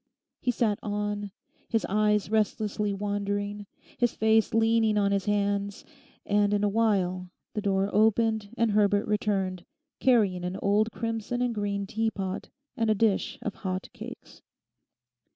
He sat on, his eyes restlessly wandering, his face leaning on his hands; and in a while the door opened and Herbert returned, carrying an old crimson and green teapot and a dish of hot cakes.